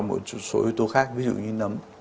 một số yếu tố khác ví dụ như nấm